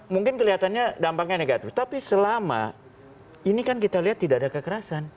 mungkin kelihatannya dampaknya negatif tapi selama ini kan kita lihat tidak ada kekerasan